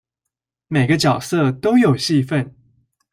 每個角色都有戲份